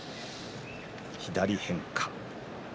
左の変化。